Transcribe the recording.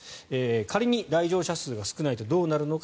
仮に来場者数が少ないとどうなるのか。